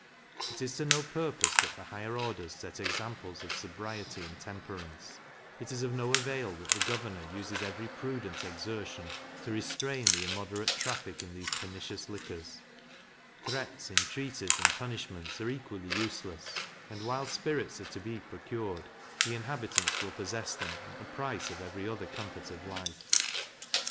It is to no purpose that the higher orders set examples of sobriety and temperance; it is of no avail that the governor uses every prudent exertion to restrain the immoderate traffic in these pernicious liquors; threats, intreaties, and punishments, are equally useless; and while spirits are to be procured, the inhabitants will possess them at the price of every other comfort of life.